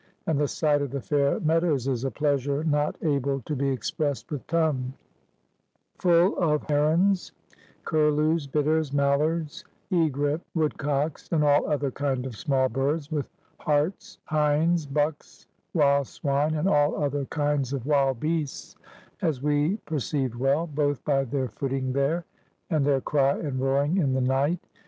.•• And the sight of the faire medows is a pleasure not able to be expressed with tongue; full of Hemes, Curlues, Bitters, Mallards, Egrepths, Woodcocks, and all other kind of small birds; wi^ Harts, Hindes, Buckes, wilde Swine, and all other kindes of wilde beastes, as we perceived well, both by their footing there and .•• their crie and roaring in the night.